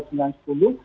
baik pak hans